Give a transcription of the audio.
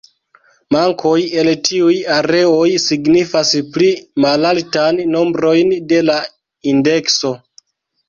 Mankoj el tiuj areoj signifas pli malaltan nombrojn de la indekso.